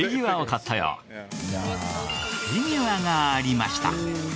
フィギュアがありました。